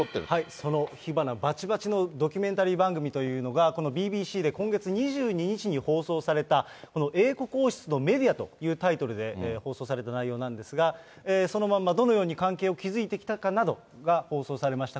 その火花ばちばちのドキュメンタリー番組というのが、このＢＢＣで今月２２日に放送された、この英国王室とメディアというタイトルで放送された内容なんですが、そのまんま、どのように関係を築いてきたかなど、放送されました。